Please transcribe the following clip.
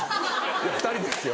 いや２人ですよ。